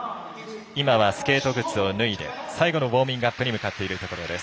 今はスケート靴を脱いで最後のウォーミングアップに向かっているところです。